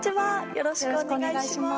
よろしくお願いします。